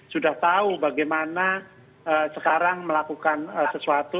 sudah tahu bagaimana sekarang melakukan sesuatu